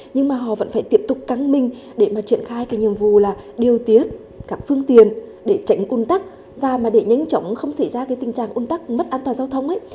nhưng mà họ vẫn phải tiếp tục căng minh để mà triển khai cái nhiệm vụ là điều tiết các phương tiền để tránh cung tắc và mà để nhanh chóng không xảy ra cái tình trạng cung tắc mất an toàn giao thông ấy